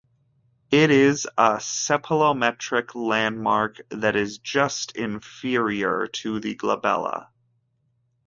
It is a cephalometric landmark that is just inferior to the glabella.